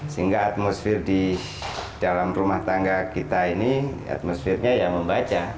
sehingga atmosfer di dalam rumah tangga kita ini atmosfernya ya membaca